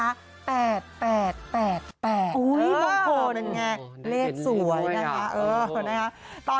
โอ้โหนั่นไงเลขสวยนะคะ